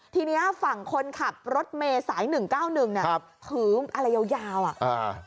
ทีนี้ฝั่งคนขับรถเมษาย๑๙๑เนี่ยคืออะไรยาวอะ